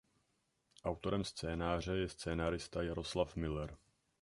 Autorem scénáře je scenárista Jaroslav Müller.